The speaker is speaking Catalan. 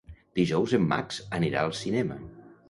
Dijous en Max anirà al cinema.